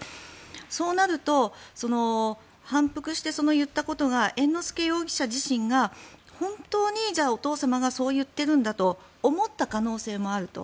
そうなると反復して言ったことが猿之助容疑者自身が本当にお父様がそう言っているんだと思った可能性もあると。